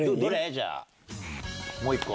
じゃあもう１個。